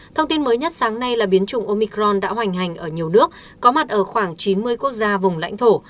thông tin mới nhất sáng nay là biến chủng omicron đã hoành hành ở nhiều nước có mặt ở khoảng chín mươi quốc gia vùng lãnh thổ